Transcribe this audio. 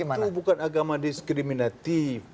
itu bukan agama diskriminatif